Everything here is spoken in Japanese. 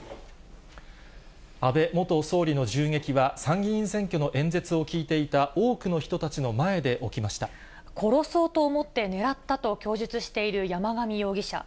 安倍元総理の銃撃は、参議院選挙の演説を聞いていた、多くの人た殺そうと思って狙ったと、供述している山上容疑者。